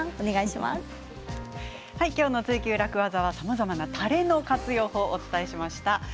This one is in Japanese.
今日の「ツイＱ楽ワザ」はさまざまなたれの活用法をお伝えしました。